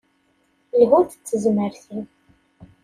Lhu-d d tezmert-im.